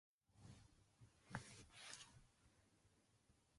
おっふオラドラえもん